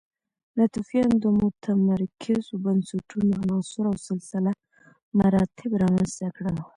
ناتوفیانو د متمرکزو بنسټونو عناصر او سلسله مراتب رامنځته کړل